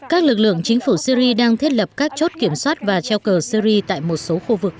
các lực lượng chính phủ syri đang thiết lập các chốt kiểm soát và treo cờ syri tại một số khu vực